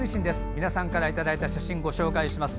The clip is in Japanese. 皆さんからいただいた写真をご紹介します。